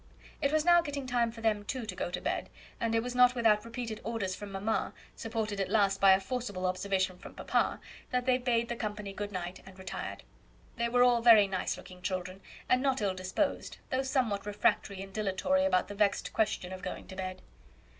It was now getting time for them, too, to go to bed, and it was not without repeated orders from mamma, supported at last by a forcible observation from papa, that they bade the company good night, and retired. They were all very nice looking children, and not ill disposed, though somewhat refractory and dilatory about the vexed question of going to bed.